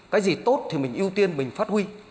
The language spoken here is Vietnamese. cái gì tốt thì mình ưu tiên mình phát huy